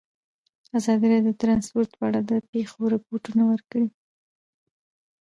ازادي راډیو د ترانسپورټ په اړه د پېښو رپوټونه ورکړي.